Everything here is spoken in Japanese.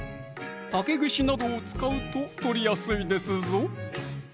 竹串などを使うと取りやすいですぞ